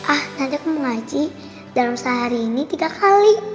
ah nanti aku mengaji dalam sehari ini tiga kali